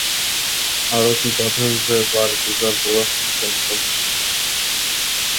আরতি প্রাথমিকভাবে বাড়িতে তাঁর পড়াশোনা সম্পন্ন করেছিলেন।